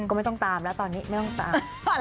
ก็ไม่ต้องตามแล้วตอนนี้ไม่ต้องตาม